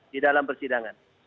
di dalam persidangan